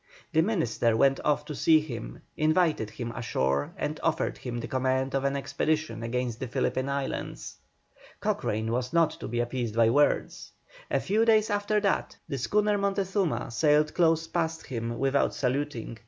The Minister went off to see him, invited him ashore and offered him the command of an expedition against the Philippine Islands. Cochrane was not to be appeased by words. A few days after that, the schooner Montezuma sailed close past him without saluting.